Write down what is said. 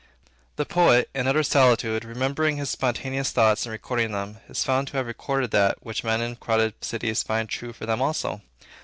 The poet, in utter solitude remembering his spontaneous thoughts and recording them, is found to have recorded that, which men in crowded cities find true for them also.